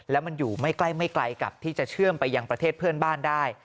แล้วมันอยู่ไม่ใกล้ไม่ไกลกับที่จะเชื่อมไปยังประเทศเพื่อนบ้านได้